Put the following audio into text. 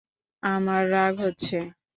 আমার রাগ হচ্ছে।